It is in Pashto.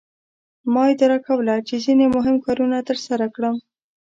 ما اداره کوله چې ځینې مهم کارونه ترسره کړم.